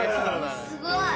すごい！